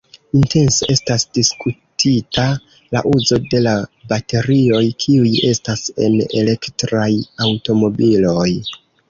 Intense estas diskutita la uzo de la baterioj, kiuj estas en elektraj aŭtomobiloj.